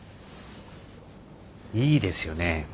いいですよね